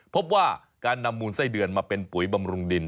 พบว่าการนำมูลไส้เดือนมาเป็นปุ๋ยบำรุงดิน